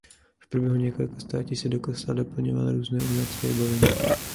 V průběhu několika staletí se do kostela doplňovalo různé umělecké vybavení.